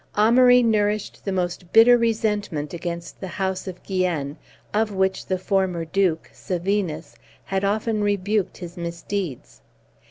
Amaury nourished the most bitter resentment against the house of Guienne, of which the former Duke, Sevinus, had often rebuked his misdeeds.